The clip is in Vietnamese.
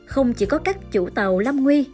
không chỉ có các chủ tàu lâm nguy